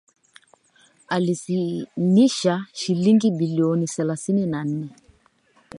aliidhinisha shilingi bilioni thelathini na nne